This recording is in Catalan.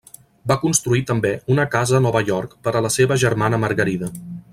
Va construir també una casa a Nova York per a la seva germana Margarida.